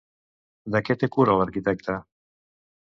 De què té cura l'arquitecta?